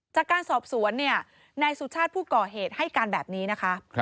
จากการสอบสวนเนี่ยนายสุชาติผู้ก่อเหตุให้การแบบนี้นะคะ